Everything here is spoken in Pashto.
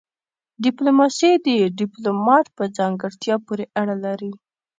ډيپلوماسي د ډيپلومات په ځانګړتيا پوري اړه لري.